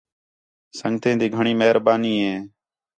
سنڳتیں تی گھݨی مہربانی ہے